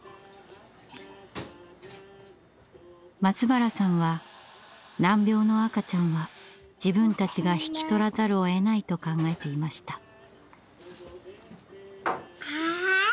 松原さんは難病の赤ちゃんは自分たちが引き取らざるをえないと考えていました。